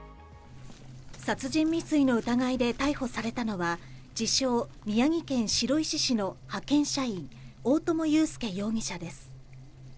殺人未遂の疑いで逮捕されたのは自称、宮城県白石市の派遣社員・大友祐介容疑者です。